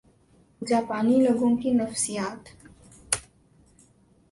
جاپانی لوگوں کی نفسیات